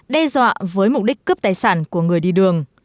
đe dọa với mục đích cướp tài sản của người đi đường